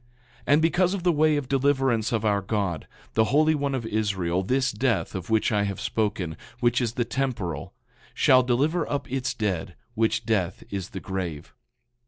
9:11 And because of the way of deliverance of our God, the Holy One of Israel, this death, of which I have spoken, which is the temporal, shall deliver up its dead; which death is the grave.